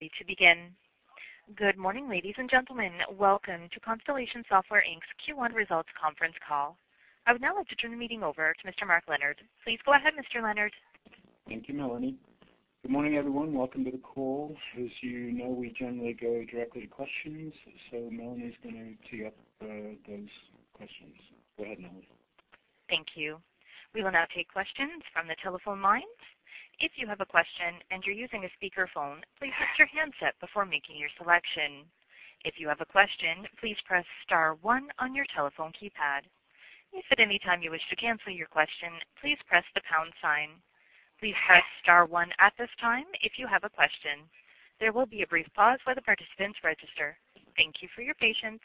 To begin. Good morning, ladies and gentlemen. Welcome to Constellation Software Inc.'s Q1 Results Conference Call. I would now like to turn the meeting over to Mr. Mark Leonard. Please go ahead, Mr. Leonard. Thank you, Melanie. Good morning, everyone. Welcome to the call. As you know, we generally go directly to questions, Melanie is going to tee up those questions. Go ahead, Melanie. Thank you. We will now take questions from the telephone lines. If you have a question and you're using a speakerphone, please mute your handset before making your selection. If you have a question, please press star one on your telephone keypad. If at any time you wish to cancel your question, please press the pound sign. Please press star one at this time if you have a question. There will be a brief pause while the participants register. Thank you for your patience.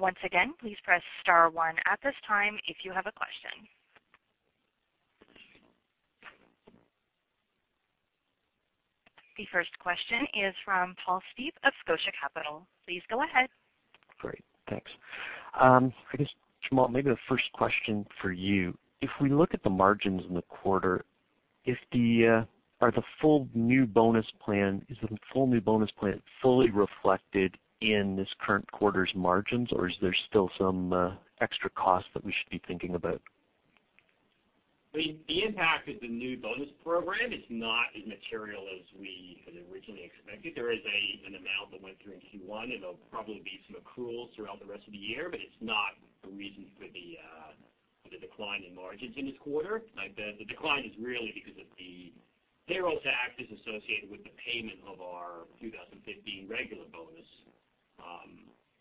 Once again, please press star one at this time if you have a question. The first question is from Paul Steep of Scotia Capital. Please go ahead. Great. Thanks. I guess, Jamal, maybe the first question for you. If we look at the margins in the quarter, are the full new bonus plan fully reflected in this current quarter's margins, or is there still some extra cost that we should be thinking about? The impact of the new bonus program is not as material as we had originally expected. There is an amount that went through in Q1, and there'll probably be some accruals throughout the rest of the year, but it's not the reason for the decline in margins in this quarter. The decline is really because of the payroll taxes associated with the payment of our 2015 regular bonus.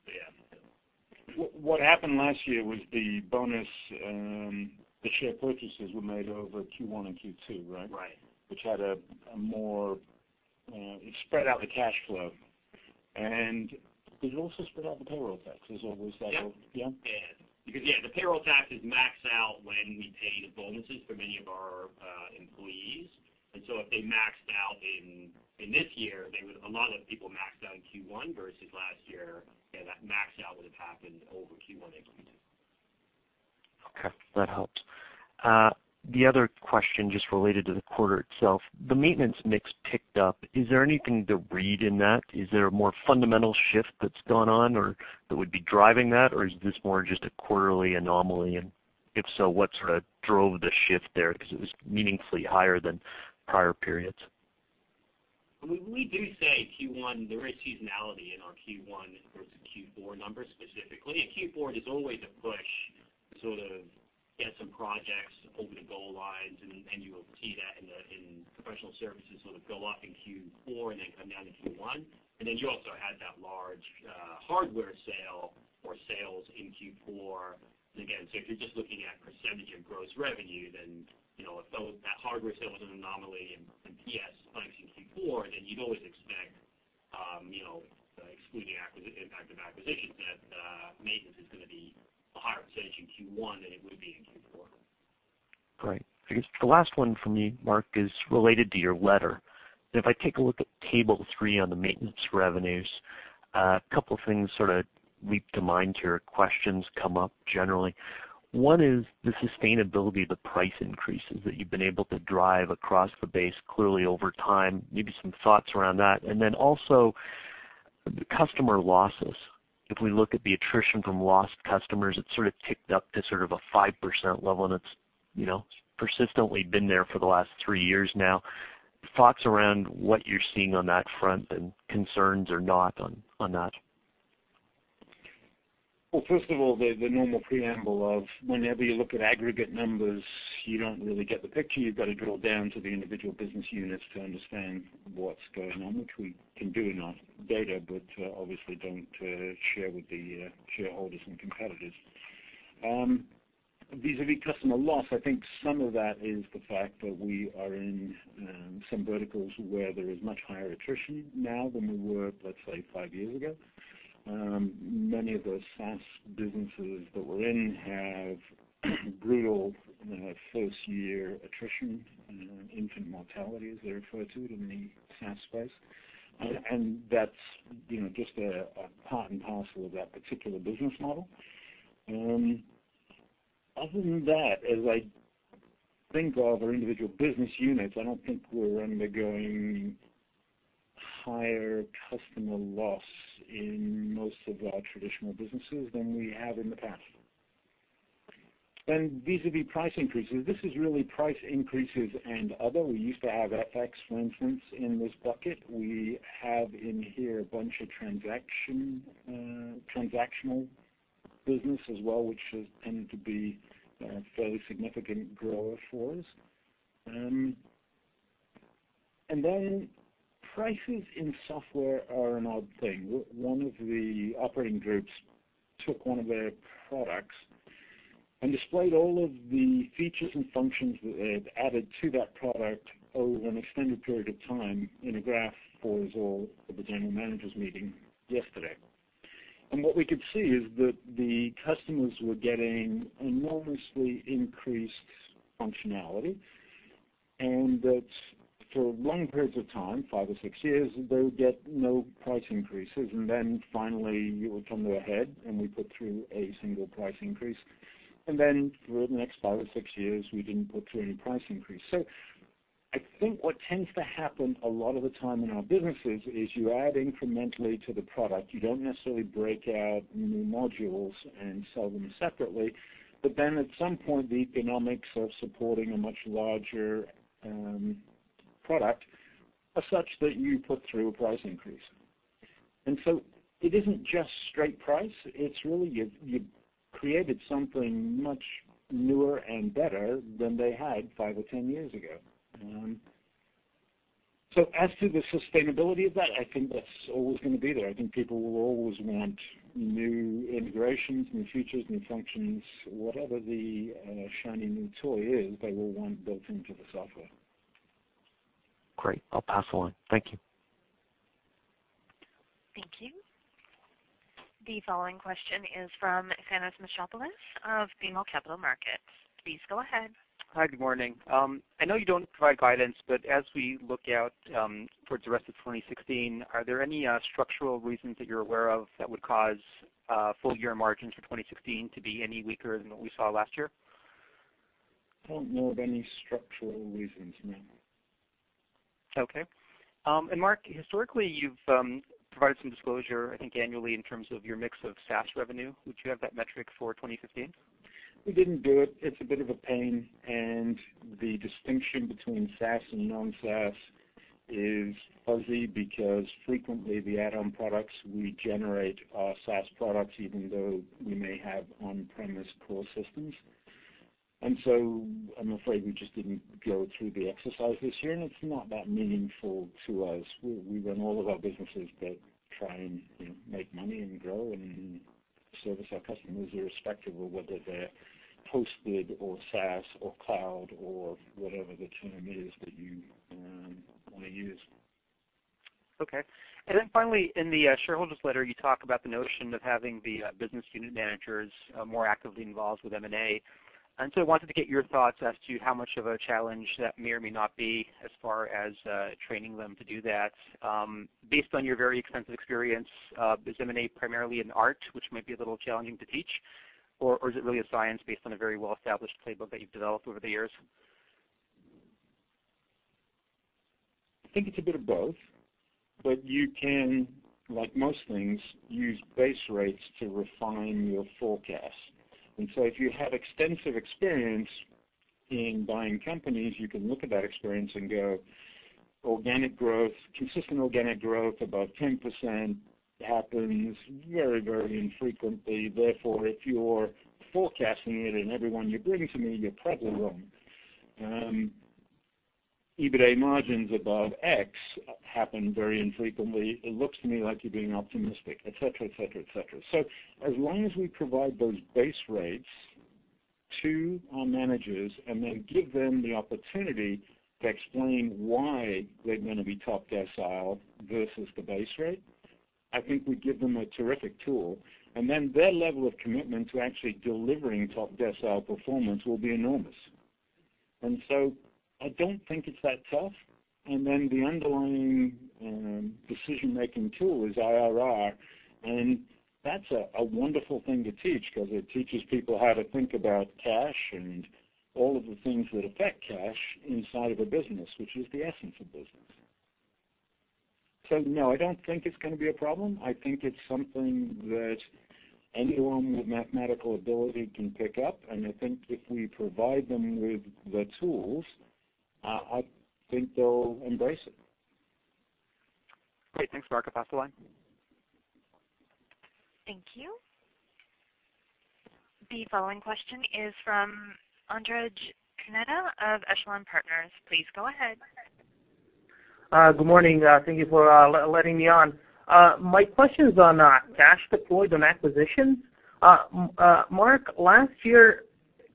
Yeah. What happened last year was the bonus, the share purchases were made over Q1 and Q2, right? Right. Spread out the cash flow, and did it also spread out the payroll taxes? Yep. Yeah. Yeah, the payroll taxes max out when we pay the bonuses for many of our employees. If they maxed out in this year, a lot of people maxed out in Q1 versus last year, and that max out would have happened over Q1 and Q2. Okay. That helps. The other question, just related to the quarter itself, the maintenance mix picked up. Is there anything to read in that? Is there a more fundamental shift that's gone on, or that would be driving that? Or is this more just a quarterly anomaly? If so, what sort of drove the shift there? Because it was meaningfully higher than prior periods. We do say Q1, there is seasonality in our Q1 versus Q4 numbers specifically. Q4 is always a push to sort of get some projects over the goal lines. You will see that in professional services sort of go up in Q4 and then come down in Q1. You also had that large hardware sale or sales in Q4. Again, if you're just looking at percentage of gross revenue, then if that hardware sale was an anomaly in PS spikes in Q4, then you'd always expect, excluding impact of acquisitions, that maintenance is going to be a higher percentage in Q1 than it would be in Q4. Great. I guess the last one from me, Mark, is related to your letter. If I take a look at table 3 on the maintenance revenues, a couple of things sort of leap to mind here, questions come up generally. One is the sustainability of the price increases that you've been able to drive across the base clearly over time. Maybe some thoughts around that. Also, customer losses. If we look at the attrition from lost customers, it's sort of ticked up to sort of a 5% level, and it's persistently been there for the last 3 years now. Thoughts around what you're seeing on that front and concerns or not on that. Well, first of all, the normal preamble of whenever you look at aggregate numbers, you don't really get the picture. You've got to drill down to the individual business units to understand what's going on, which we can do in our data, but obviously don't share with the shareholders and competitors. Vis-a-vis customer loss, I think some of that is the fact that we are in some verticals where there is much higher attrition now than we were, let's say, 5 years ago. Many of those SaaS businesses that we're in have brutal first-year attrition, infant mortality, as they refer to it in the SaaS space. That's just a part and parcel of that particular business model. Other than that, as I think of our individual business units, I don't think we're undergoing higher customer loss in most of our traditional businesses than we have in the past. Vis-a-vis price increases, this is really price increases and other. We used to have FX, for instance, in this bucket. We have in here a bunch of transactional business as well, which has tended to be a fairly significant grower for us. Prices in software are an odd thing. One of the operating groups took one of their products and displayed all of the features and functions that they had added to that product over an extended period of time in a graph for us all at the general managers meeting yesterday. What we could see is that the customers were getting enormously increased functionality. For long periods of time, five or six years, they would get no price increases. Finally, we would come to a head, and we put through a single price increase. For the next five or six years, we didn't put through any price increase. I think what tends to happen a lot of the time in our businesses is you add incrementally to the product. You don't necessarily break out new modules and sell them separately. At some point, the economics of supporting a much larger product are such that you put through a price increase. It isn't just straight price, it's really you've created something much newer and better than they had five or 10 years ago. As to the sustainability of that, I think that's always going to be there. I think people will always want new integrations, new features, new functions. Whatever the shiny new toy is, they will want built into the software. Great. I'll pass the line. Thank you. Thank you. The following question is from Thanos Moschopoulos of BMO Capital Markets. Please go ahead. Hi, good morning. I know you don't provide guidance, as we look out towards the rest of 2016, are there any structural reasons that you're aware of that would cause full year margins for 2016 to be any weaker than what we saw last year? I don't know of any structural reasons, no. Okay. Mark, historically, you've provided some disclosure, I think, annually in terms of your mix of SaaS revenue. Would you have that metric for 2015? We didn't do it. It's a bit of a pain, and the distinction between SaaS and non-SaaS is fuzzy because frequently the add-on products we generate are SaaS products, even though we may have on-premise core systems. I'm afraid we just didn't go through the exercise this year, and it's not that meaningful to us. We run all of our businesses that try and make money and grow and service our customers, irrespective of whether they're hosted or SaaS or cloud or whatever the term is that you want to use. Okay. Finally, in the shareholders letter, you talk about the notion of having the business unit managers more actively involved with M&A. I wanted to get your thoughts as to how much of a challenge that may or may not be as far as training them to do that. Based on your very extensive experience, is M&A primarily an art which might be a little challenging to teach, or is it really a science based on a very well-established playbook that you've developed over the years? I think it's a bit of both. You can, like most things, use base rates to refine your forecast. If you have extensive experience in buying companies, you can look at that experience and go, "Organic growth, consistent organic growth above 10% happens very, very infrequently. Therefore, if you're forecasting it in every one you bring to me, you're probably wrong. EBITDA margins above X happen very infrequently. It looks to me like you're being optimistic," et cetera. As long as we provide those base rates to our managers and then give them the opportunity to explain why they're going to be top decile versus the base rate, I think we give them a terrific tool, and then their level of commitment to actually delivering top decile performance will be enormous. I don't think it's that tough. The underlying decision-making tool is IRR. That's a wonderful thing to teach because it teaches people how to think about cash and all of the things that affect cash inside of a business, which is the essence of business. No, I don't think it's going to be a problem. I think it's something that anyone with mathematical ability can pick up, and I think if we provide them with the tools, I think they'll embrace it. Great. Thanks, Mark. I'll pass the line. Thank you. The following question is from Andrej Kuneta of Echelon Partners. Please go ahead. Good morning. Thank you for letting me on. My question is on cash deployed on acquisitions. Mark, last year,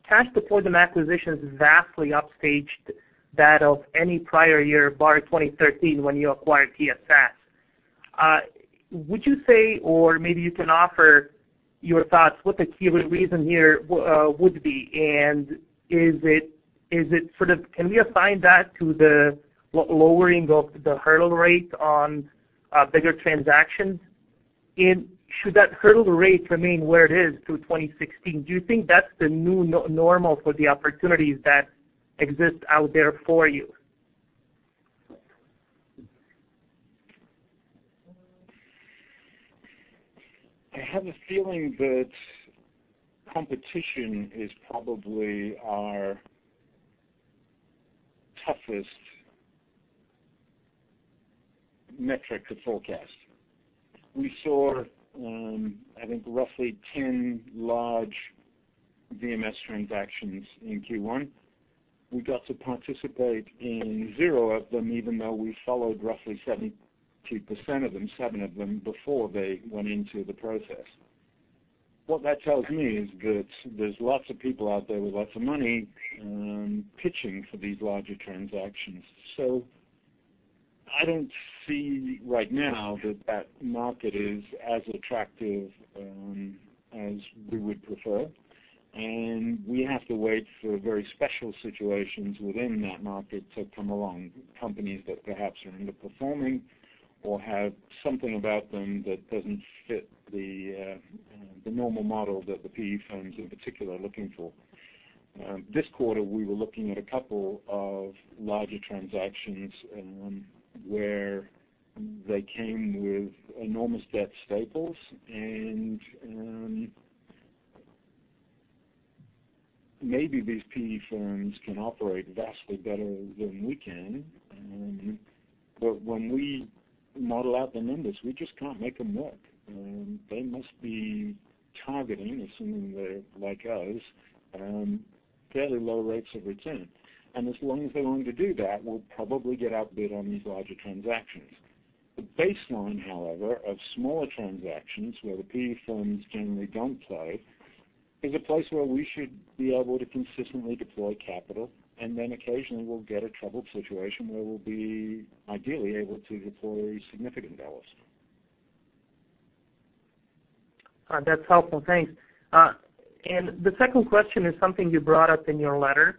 cash deployed on acquisitions vastly upstaged that of any prior year, bar 2013, when you acquired TSS. Would you say, or maybe you can offer your thoughts, what the key reason here would be? Can we assign that to the lowering of the hurdle rate on bigger transactions? Should that hurdle rate remain where it is through 2016, do you think that's the new normal for the opportunities that exist out there for you? I have a feeling that competition is probably our toughest metric to forecast. We saw, I think, roughly 10 large VMS transactions in Q1. We got to participate in zero of them, even though we followed roughly 72% of them, seven of them, before they went into the process. What that tells me is that there's lots of people out there with lots of money pitching for these larger transactions. I don't see right now that that market is as attractive as we would prefer. We have to wait for very special situations within that market to come along. Companies that perhaps are underperforming or have something about them that doesn't fit the normal model that the PE firms in particular are looking for. This quarter, we were looking at a couple of larger transactions where they came with enormous debt staples. Maybe these PE firms can operate vastly better than we can. When we model out the numbers, we just can't make them work. They must be targeting, assuming they're like us, fairly low rates of return. As long as they want to do that, we'll probably get outbid on these larger transactions. The baseline, however, of smaller transactions, where the PE firms generally don't play, is a place where we should be able to consistently deploy capital, and then occasionally we'll get a troubled situation where we'll be ideally able to deploy significant dollars. That's helpful. Thanks. The second question is something you brought up in your letter.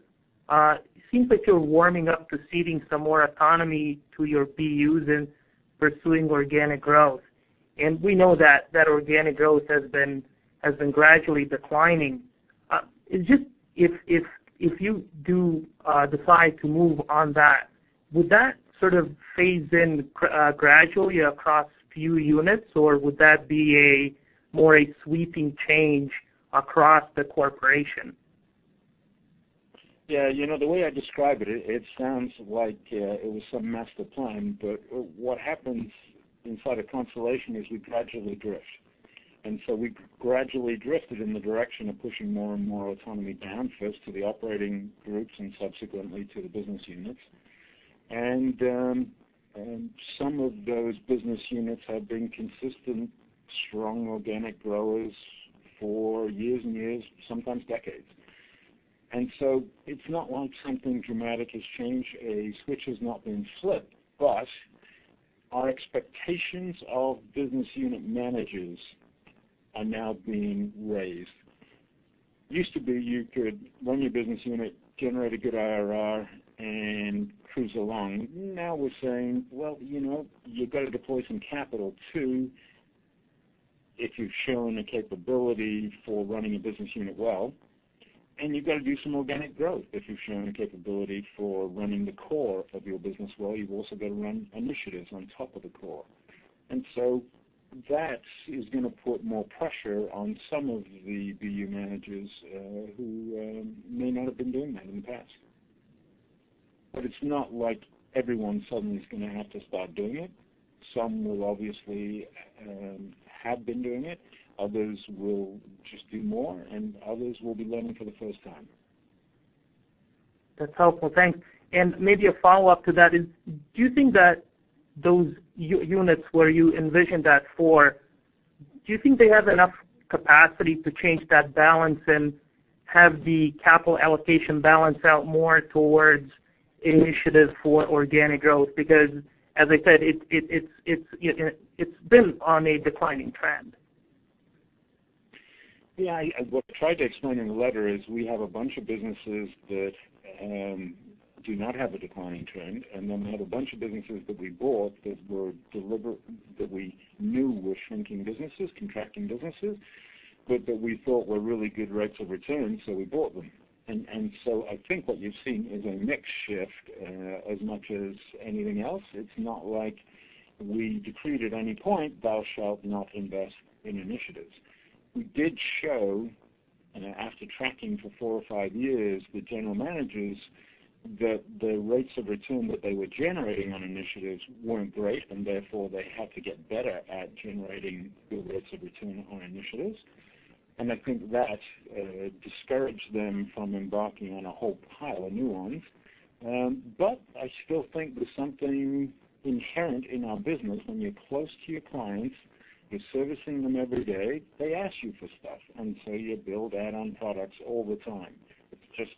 It seems like you're warming up to ceding some more autonomy to your BUs in pursuing organic growth. We know that that organic growth has been gradually declining. If you do decide to move on that, would that sort of phase in gradually across BU units or would that be more a sweeping change across the corporation? Yeah. The way I describe it sounds like it was some master plan. What happens inside of Constellation is we gradually drift. We gradually drifted in the direction of pushing more and more autonomy down first to the operating groups and subsequently to the business units. Some of those business units have been consistent, strong organic growers for years and years, sometimes decades. It's not like something dramatic has changed. A switch has not been flipped. Our expectations of business unit managers are now being raised. Used to be you could run your business unit, generate a good IRR, and cruise along. Now we're saying, "Well, you've got to deploy some capital too if you've shown a capability for running a business unit well. You've got to do some organic growth. If you've shown a capability for running the core of your business well, you've also got to run initiatives on top of the core." That is going to put more pressure on some of the BU managers who may not have been doing that in the past. It's not like everyone suddenly is going to have to start doing it. Some will obviously have been doing it, others will just do more, and others will be learning for the first time. That's helpful. Thanks. Maybe a follow-up to that is, do you think that those units where you envision that for, do you think they have enough capacity to change that balance and have the capital allocation balance out more towards initiatives for organic growth? Because as I said, it's been on a declining trend. Yeah. What I tried to explain in the letter is we have a bunch of businesses that do not have a declining trend, then we have a bunch of businesses that we bought that we knew were shrinking businesses, contracting businesses, but that we thought were really good rates of return, so we bought them. I think what you've seen is a mix shift as much as anything else. It's not like we decreed at any point, thou shalt not invest in initiatives. We did show, after tracking for four or five years with general managers, that the rates of return that they were generating on initiatives weren't great, and therefore they had to get better at generating good rates of return on initiatives. I think that discouraged them from embarking on a whole pile of new ones. I still think there's something inherent in our business. When you're close to your clients, you're servicing them every day, they ask you for stuff, you build add-on products all the time. It's just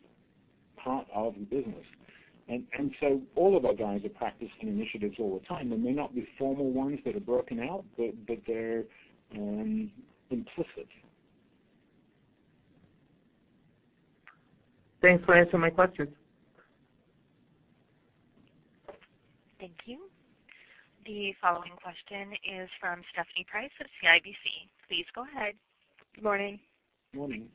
part of the business. All of our guys are practicing initiatives all the time. They may not be formal ones that are broken out, but they're implicit. Thanks for answering my questions. Thank you. The following question is from Stephanie Price of CIBC. Please go ahead. Good morning. Morning.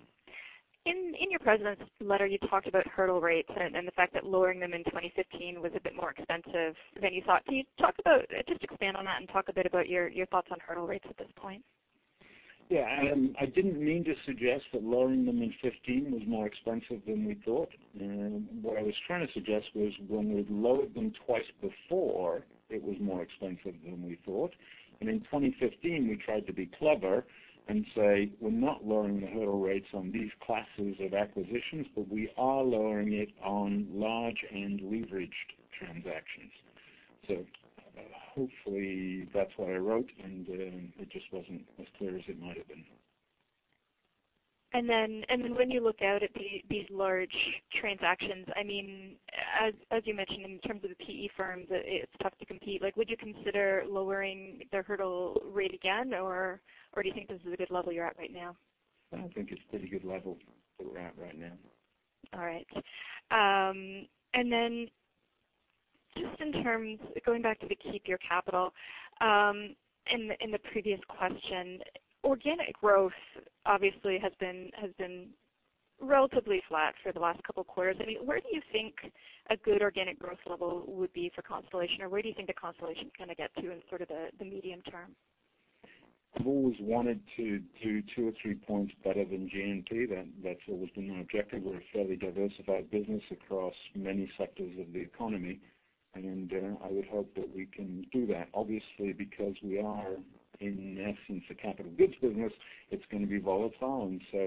In your President's Letter, you talked about hurdle rates and the fact that lowering them in 2015 was a bit more expensive than you thought. Can you just expand on that and talk a bit about your thoughts on hurdle rates at this point? Yeah. I didn't mean to suggest that lowering them in 2015 was more expensive than we thought. What I was trying to suggest was when we'd lowered them twice before, it was more expensive than we thought. In 2015, we tried to be clever and say, "We're not lowering the hurdle rates on these classes of acquisitions, but we are lowering it on large and leveraged transactions." Hopefully that's what I wrote, and it just wasn't as clear as it might have been. Then when you look out at these large transactions, as you mentioned, in terms of the PE firms, it's tough to compete. Would you consider lowering the hurdle rate again, or do you think this is a good level you're at right now? I think it's a pretty good level that we're at right now. All right. Then just in terms, going back to the keep your capital in the previous question, organic growth obviously has been relatively flat for the last couple of quarters. Where do you think a good organic growth level would be for Constellation, or where do you think that Constellation is going to get to in sort of the medium term? I've always wanted to do two or three points better than GNP. That's always been our objective. We're a fairly diversified business across many sectors of the economy, and I would hope that we can do that. Obviously, because we are, in essence, a capital goods business, it's going to be volatile. So,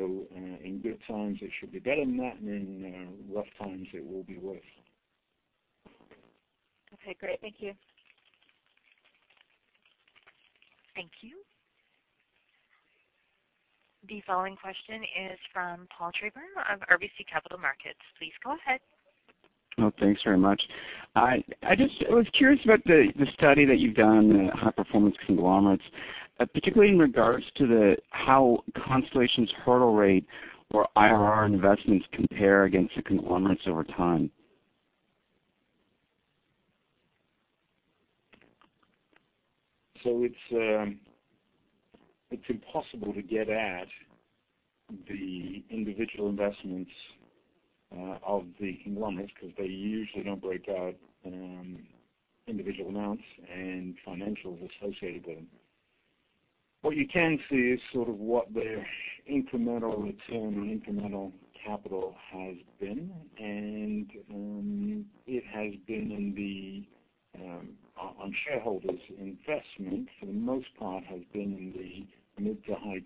in good times, it should be better than that, and in rough times, it will be worse. Okay, great. Thank you. Thank you. The following question is from Paul Treiber of RBC Capital Markets. Please go ahead. Thanks very much. I was curious about the study that you've done on high-performance conglomerates, particularly in regards to how Constellation's hurdle rate or IRR investments compare against the conglomerates over time. It's impossible to get at the individual investments of the conglomerates, because they usually don't break out individual amounts and financials associated with them. What you can see is sort of what their incremental return on incremental capital has been. It has been on shareholders' investment, for the most part, has been in the mid to high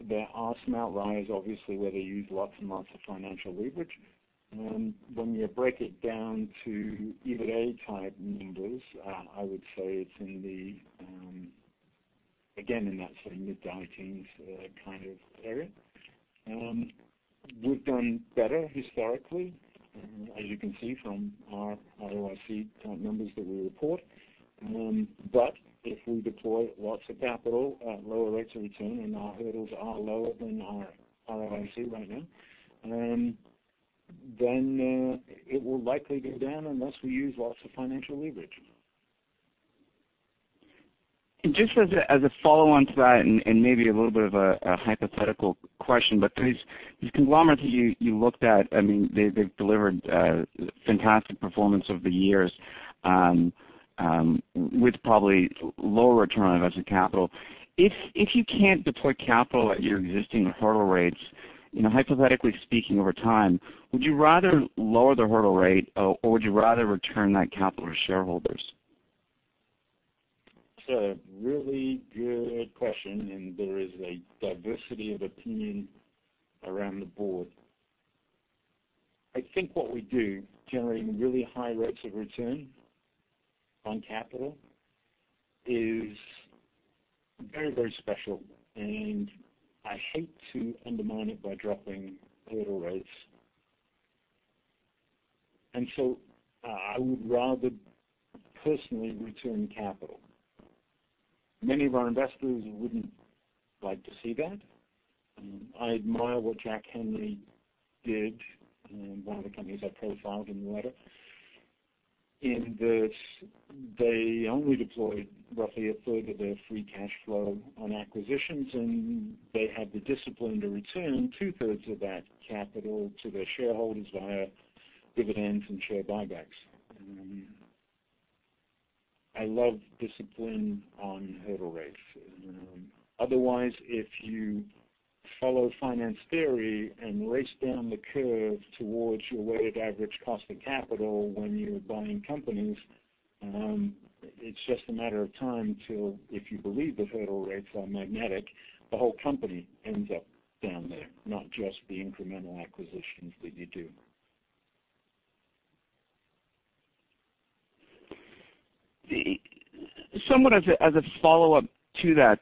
teens. There are some outliers, obviously, where they use lots and lots of financial leverage. When you break it down to EBITA-type numbers, I would say it's, again, in that sort of mid to high teens kind of area. We've done better historically, as you can see from our ROIC type numbers that we report. If we deploy lots of capital at lower rates of return and our hurdles are lower than our ROIC right now, it will likely go down unless we use lots of financial leverage. Just as a follow-on to that and maybe a little bit of a hypothetical question, these conglomerates you looked at, they've delivered fantastic performance over the years with probably lower return on invested capital. If you can't deploy capital at your existing hurdle rates, hypothetically speaking, over time, would you rather lower the hurdle rate or would you rather return that capital to shareholders? That's a really good question. There is a diversity of opinion around the board. I think what we do, generating really high rates of return on capital, is very, very special. I hate to undermine it by dropping hurdle rates. I would rather personally return capital. Many of our investors wouldn't like to see that. I admire what Jack Henry did, one of the companies I profiled in the letter, in that they only deployed roughly a third of their free cash flow on acquisitions, and they had the discipline to return two-thirds of that capital to their shareholders via dividends and share buybacks. I love discipline on hurdle rates. Otherwise, if you follow finance theory and race down the curve towards your weighted average cost of capital when you're buying companies, it's just a matter of time till, if you believe the hurdle rates are magnetic, the whole company ends up down there, not just the incremental acquisitions that you do. Somewhat as a follow-up to that,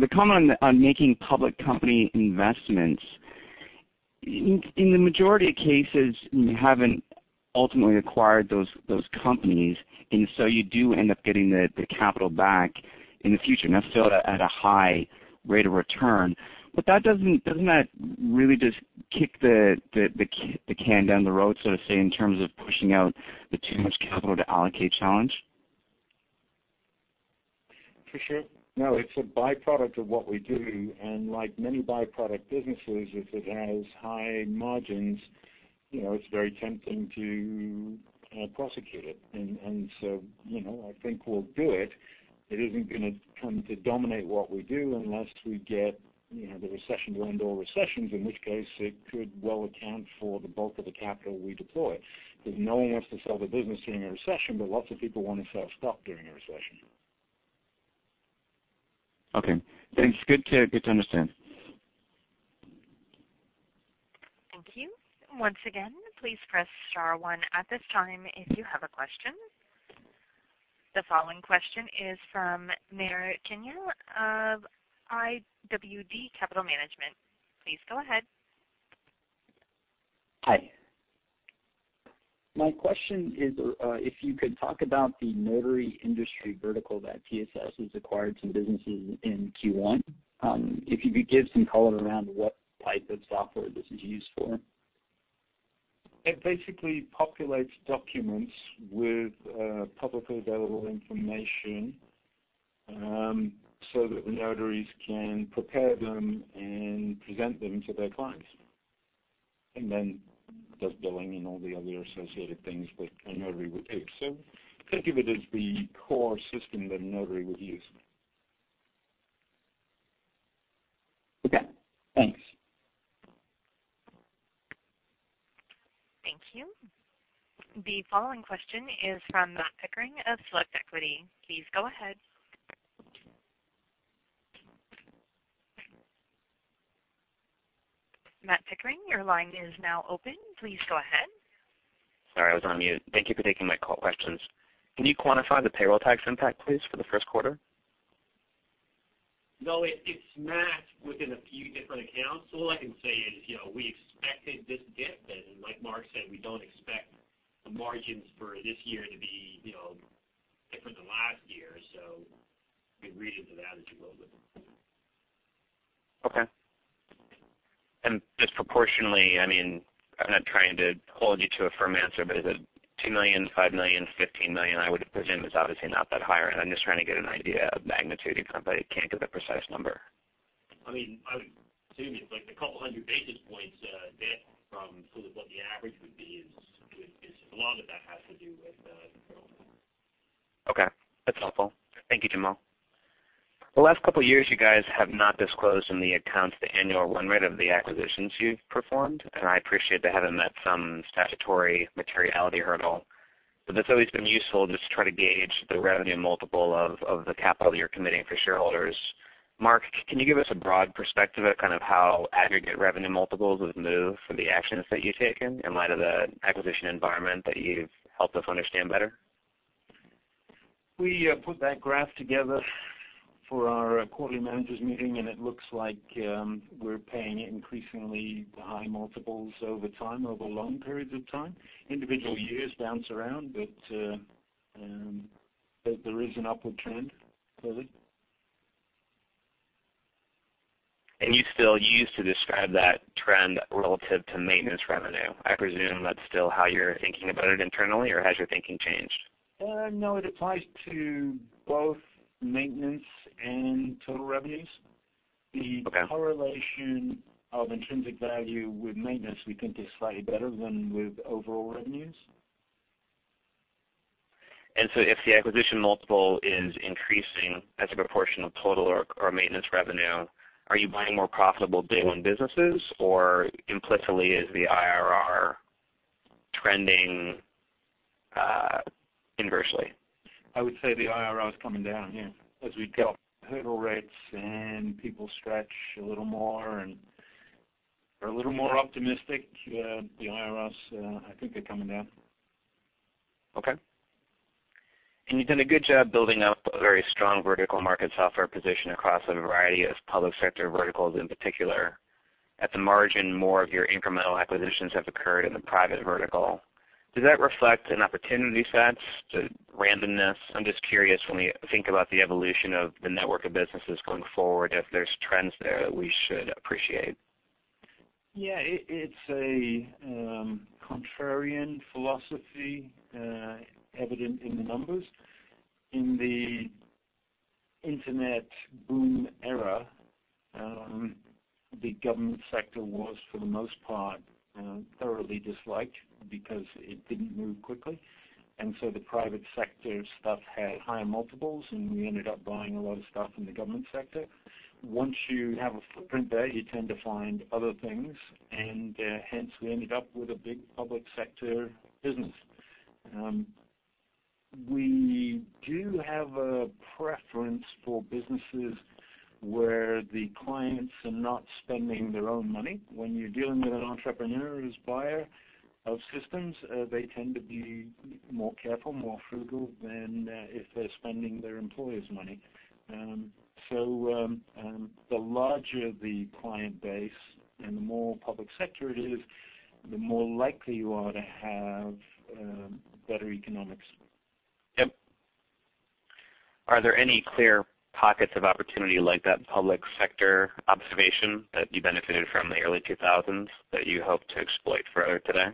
the comment on making public company investments. In the majority of cases, you haven't ultimately acquired those companies. You do end up getting the capital back in the future, necessarily at a high rate of return. Doesn't that really just kick the can down the road, so to say, in terms of pushing out the too much capital to allocate challenge? For sure. No, it's a byproduct of what we do. Like many byproduct businesses, if it has high margins, it's very tempting to prosecute it. I think we'll do it. It isn't going to come to dominate what we do unless we get the recession to end all recessions, in which case it could well account for the bulk of the capital we deploy. Because no one wants to sell their business during a recession, but lots of people want to sell stock during a recession. Okay. Thanks. Good to understand. Thank you. Once again, please press star one at this time if you have a question. The following question is from Neraj Kalia of IWD Capital Management. Please go ahead. Hi. My question is if you could talk about the notary industry vertical that TSS has acquired some businesses in Q1. If you could give some color around what type of software this is used for. It basically populates documents with publicly available information, so that the notaries can prepare them and present them to their clients, and then does billing and all the other associated things that a notary would do. Think of it as the core system that a notary would use. Okay, thanks. Thank you. The following question is from Matt Pickering of Select Equity. Please go ahead. Matt Pickering, your line is now open. Please go ahead. Sorry, I was on mute. Thank you for taking my call questions. Can you quantify the payroll tax impact, please, for the first quarter? No, it's not within a few different accounts. All I can say is, we expected this dip, and like Mark said, we don't expect the margins for this year to be different than last year. The reason for that is low. Okay. Disproportionately, I'm not trying to hold you to a firm answer, but is it 2 million, 5 million, 15 million? I would presume it's obviously not that higher end. I'm just trying to get an idea of magnitude, but you can't give a precise number. I would assume it's like a couple of hundred basis points, dip from sort of what the average would be is a lot of that has to do with payroll. Okay, that's helpful. Thank you, Jamal. The last couple of years, you guys have not disclosed in the accounts the annual run rate of the acquisitions you've performed, and I appreciate that having met some statutory materiality hurdle. That's always been useful just to try to gauge the revenue multiple of the capital you're committing for shareholders. Mark, can you give us a broad perspective of kind of how aggregate revenue multiples have moved for the actions that you've taken in light of the acquisition environment that you've helped us understand better? We put that graph together for our quarterly managers meeting, it looks like we're paying increasingly high multiples over time, over long periods of time. Individual years bounce around, there is an upward trend, clearly. You still use to describe that trend relative to maintenance revenue. I presume that's still how you're thinking about it internally, or has your thinking changed? No, it applies to both maintenance and total revenues. Okay. The correlation of intrinsic value with maintenance, we think is slightly better than with overall revenues. If the acquisition multiple is increasing as a proportion of total or maintenance revenue, are you buying more profitable day one businesses or implicitly is the IRR trending inversely? I would say the IRR is coming down, yeah. As we go, hurdle rates and people stretch a little more and are a little more optimistic. The IRRs, I think they're coming down. Okay. You've done a good job building up a very strong vertical market software position across a variety of public sector verticals in particular. At the margin, more of your incremental acquisitions have occurred in the private vertical. Does that reflect an opportunity set to randomness? I'm just curious when we think about the evolution of the network of businesses going forward, if there's trends there that we should appreciate. Yeah, it's a contrarian philosophy evident in the numbers. In the internet boom era, the government sector was, for the most part, thoroughly disliked because it didn't move quickly. The private sector stuff had higher multiples, and we ended up buying a lot of stuff in the government sector. Once you have a footprint there, you tend to find other things, and hence we ended up with a big public sector business. We do have a preference for businesses where the clients are not spending their own money. When you're dealing with an entrepreneur who's buyer of systems, they tend to be more careful, more frugal than if they're spending their employer's money. The larger the client base and the more public sector it is, the more likely you are to have better economics. Yep. Are there any clear pockets of opportunity like that public sector observation that you benefited from in the early 2000s that you hope to exploit further today?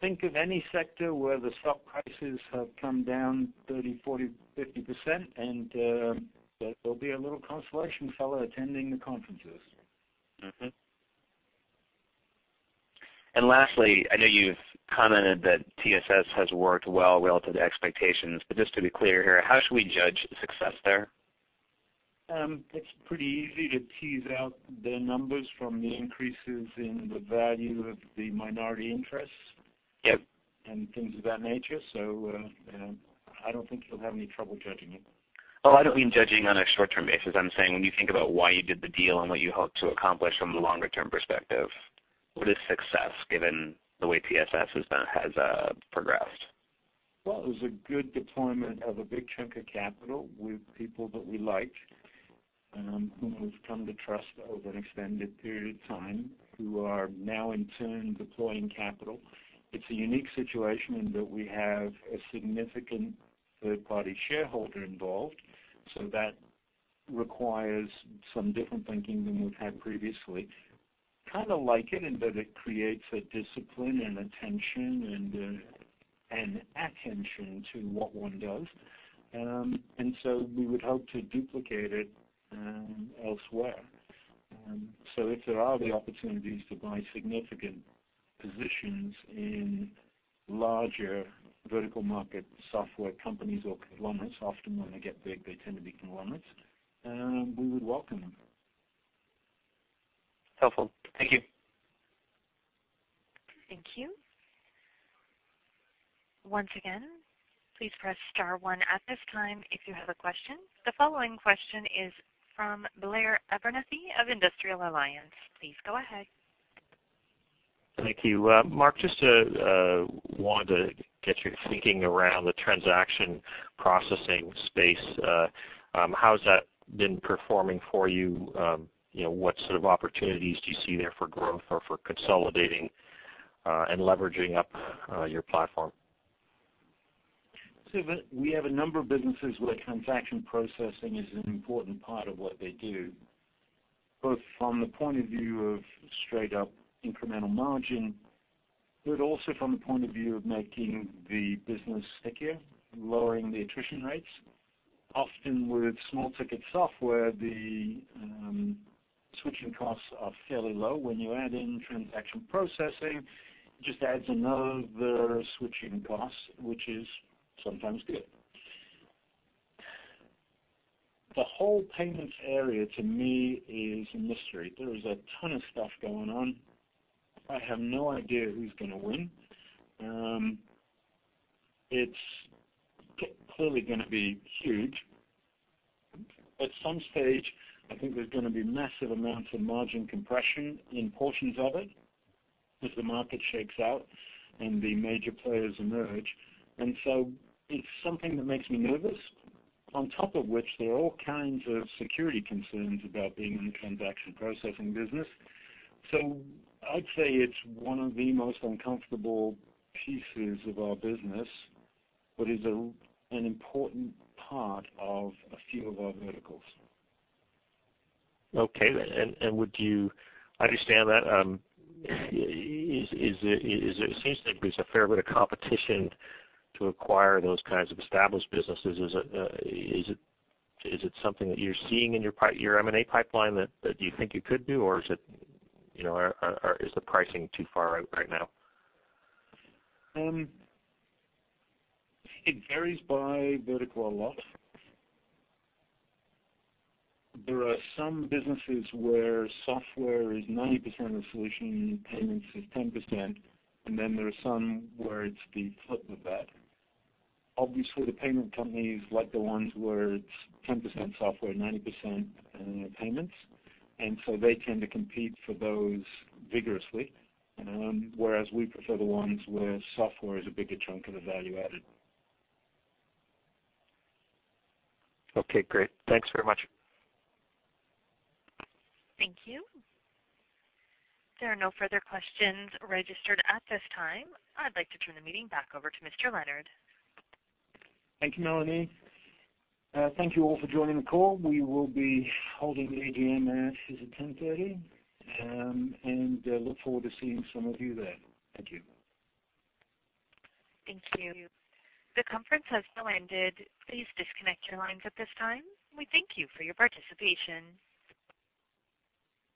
Think of any sector where the stock prices have come down 30%, 40%, 50%. There'll be a little Constellation fellow attending the conferences. Lastly, I know you've commented that TSS has worked well relative to expectations. Just to be clear here, how should we judge success there? It's pretty easy to tease out the numbers from the increases in the value of the minority interest. Yep. Things of that nature. I don't think you'll have any trouble judging it. Oh, I don't mean judging on a short-term basis. I'm saying when you think about why you did the deal and what you hope to accomplish from the longer-term perspective, what is success given the way TSS has progressed? Well, it was a good deployment of a big chunk of capital with people that we like, and whom we've come to trust over an extended period of time, who are now in turn deploying capital. It's a unique situation in that we have a significant third-party shareholder involved, that requires some different thinking than we've had previously. Kind of like it in that it creates a discipline and attention, and an attention to what one does. We would hope to duplicate it elsewhere. If there are the opportunities to buy significant positions in larger vertical market software companies or conglomerates, often when they get big, they tend to be conglomerates, we would welcome them. Helpful. Thank you. Thank you. Once again, please press star one at this time if you have a question. The following question is from Blair Abernethy of Industrial Alliance. Please go ahead. Thank you. Mark, just wanted to get your thinking around the transaction processing space. How has that been performing for you? What sort of opportunities do you see there for growth or for consolidating and leveraging up your platform? We have a number of businesses where transaction processing is an important part of what they do, both from the point of view of straight up incremental margin, but also from the point of view of making the business stickier, lowering the attrition rates. Often with small ticket software, the switching costs are fairly low. When you add in transaction processing, it just adds another switching cost, which is sometimes good. The whole payments area to me is a mystery. There is a ton of stuff going on. I have no idea who's going to win. It's clearly going to be huge. At some stage, I think there's going to be massive amounts of margin compression in portions of it as the market shakes out and the major players emerge. It's something that makes me nervous. On top of which, there are all kinds of security concerns about being in transaction processing business. I'd say it's one of the most uncomfortable pieces of our business, but is an important part of a few of our verticals. Okay. I understand that. It seems like there's a fair bit of competition to acquire those kinds of established businesses. Is it something that you're seeing in your M&A pipeline that you think you could do, or is the pricing too far out right now? It varies by vertical a lot. There are some businesses where software is 90% of the solution, payments is 10%, and then there are some where it's the flip of that. Obviously, the payment companies like the ones where it's 10% software and 90% payments. They tend to compete for those vigorously. We prefer the ones where software is a bigger chunk of the value added. Okay, great. Thanks very much. Thank you. There are no further questions registered at this time. I'd like to turn the meeting back over to Mr. Leonard. Thank you, Melanie. Thank you all for joining the call. We will be holding the AGM afterwards at 10:30 A.M., and look forward to seeing some of you there. Thank you. Thank you. The conference has now ended. Please disconnect your lines at this time. We thank you for your participation.